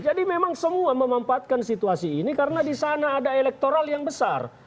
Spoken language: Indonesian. jadi memang semua memanfaatkan situasi ini karena di sana ada elektoral yang besar